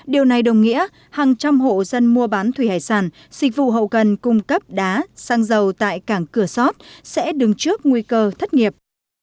điều này đồng nghĩa hàng trăm hộ dân mua bán thủy hải sản dịch vụ hậu cần cung cấp đá xăng dầu tại cảng cửa sót sẽ đứng trước nguy cơ thất nghiệp